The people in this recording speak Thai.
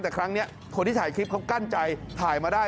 แต่ครั้งนี้คนที่ถ่ายคลิปเขากั้นใจถ่ายมาได้